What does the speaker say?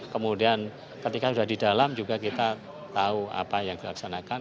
kemudian ketika sudah di dalam juga kita tahu apa yang dilaksanakan